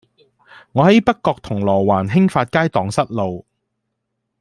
我喺北角銅鑼灣興發街盪失路